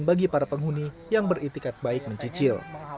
bagi para penghuni yang beritikat baik mencicil